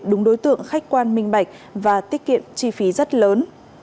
đúng đối tượng khách quan minh bạch và tiết kiệm chi phí rất lớn